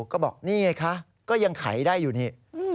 ก็บอกนี่ไงคะก็ยังไขได้อยู่นี่